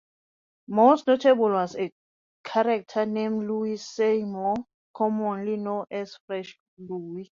Most notable was a character named Louis Seymore, commonly known as French Louie.